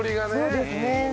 そうですね。